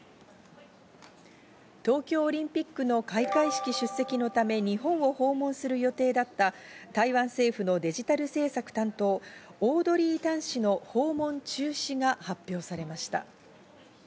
東京オリンピックの開会式出席のため、日本を訪問する予定だった、台湾政府のデジタル制作担当オードリー・タン氏の訪問中止が発表されました。